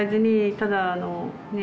ただあのねえ